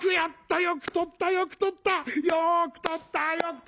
よくとったよくとった！」。